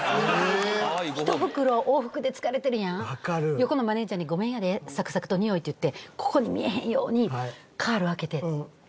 横のマネジャーに「ごめんやでサクサクとにおい」って言ってここに見えへんようにカール開けて。